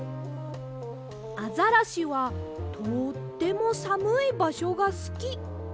アザラシはとってもさむいばしょがすきとかいてあります。